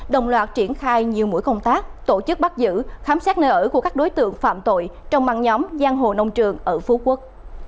đồng loạt triển khai nhiều mũi công tác tổ chức bắt giữ khám xét nơi ở của các đối tượng phạm tội trong băng nhóm giang hồ nông trường ở phú quốc